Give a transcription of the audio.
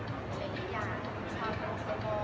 มันเป็นสิ่งที่จะให้ทุกคนรู้สึกว่า